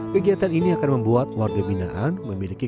kegiatan ini akan membuat warga binaan memiliki